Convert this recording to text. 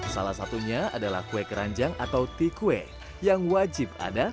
salah satunya adalah kue keranjang atau tikwe yang wajib ada